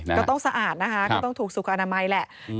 สะอาดนะคะก็ต้องถูกสุขอนามัยแหละ